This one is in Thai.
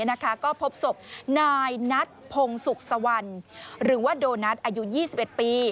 ก็พบศพนายนัทพงศุกร์สวรรณหรือว่าโดนัทอายุ๒๑ปี